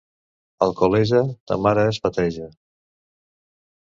Alcoleja, ta mare es peteja.